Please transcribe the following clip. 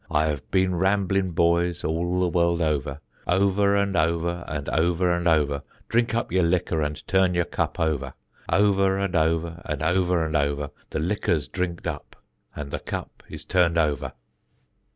I have bin rambling, boys, all the wurld over Over and over and over and over, Drink up yur liquor and turn yur cup over; Over and over and over and over, The liquor's drink'd up and the cup is turned over.